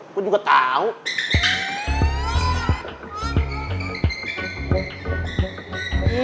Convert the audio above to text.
gue juga tau